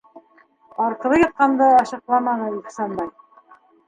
Арҡыры ятҡанды ашаҡламаны Ихсанбай.